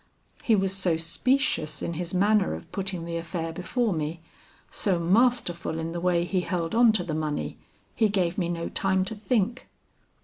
He was so specious in his manner of putting the affair before me, so masterful in the way he held on to the money, he gave me no time to think.